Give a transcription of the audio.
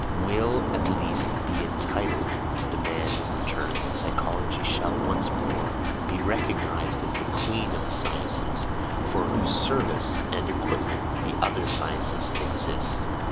will at least be entitled to demand in return that psychology shall once more be recognized as the queen of the sciences, for whose service and equipment the other sciences exist.